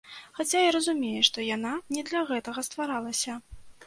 Хаця і разумее, што яна не для гэтага стваралася.